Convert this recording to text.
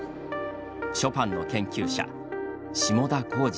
ショパンの研究者、下田幸二さん。